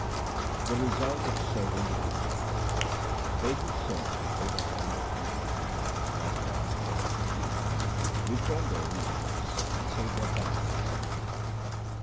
The result of serving the Guru :— They who serve and wait upon the one true Guru and love God's name, 0 Nanak, reform their own lives and save their families.